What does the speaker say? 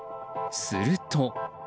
すると。